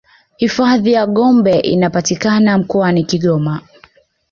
hifadhi ya gombe inapatikana mkoani kigoma